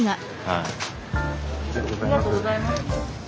ありがとうございます。